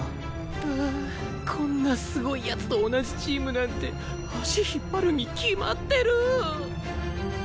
ああこんなすごい奴と同じチームなんて足引っ張るに決まってるぅ。